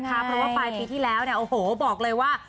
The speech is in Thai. เพราะว่าปลายปีที่แล้วเนี่ยโอ้โหบอกเลยว่า